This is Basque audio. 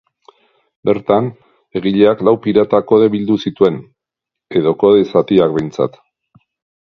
Bertan, egileak lau pirata-kode bildu zituen, edo kode zatiak behintzat.